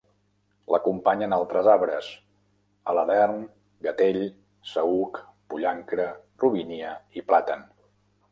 L'acompanyen altres arbres: aladern, gatell, saüc, pollancre, robínia i plàtan.